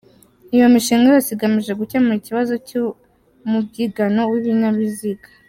Iyo mishinga yose igamije gukemura ikibazo cy’umubyigano w’ibinyabiziga.